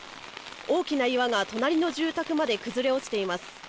大きな岩が隣の住宅まで崩れ落ちています。